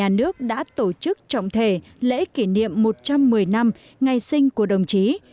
nhà nước đã tổ chức trọng thể lễ kỷ niệm một trăm một mươi năm ngày sinh của đồng chí